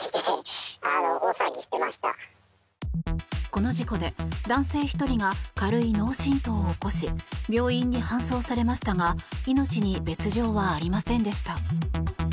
この事故で、男性１人が軽い脳しんとうを起こし病院に搬送されましたが命に別条はありませんでした。